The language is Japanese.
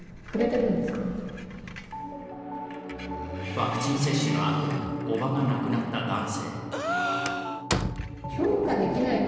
ワクチン接種のあとにおばが亡くなった男性。